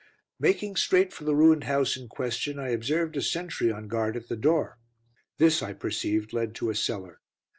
Making straight for the ruined house in question, I observed a sentry on guard at the door. This, I perceived, led to a cellar.